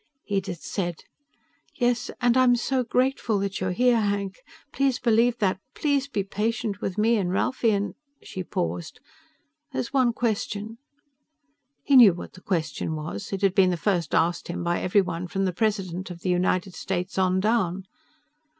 Edith said, "Yes, and I'm so grateful that you're here, Hank. Please believe that. Please be patient with me and Ralphie and " She paused. "There's one question." He knew what the question was. It had been the first asked him by everyone from the president of the United States on down.